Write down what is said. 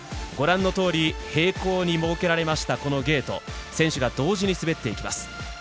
ご覧のとおり平行に設けられましたゲート選手が同時に滑っていきます。